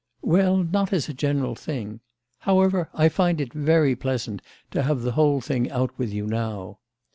"Well, not as a general thing. However, I find it very pleasant to have the whole thing out with you now."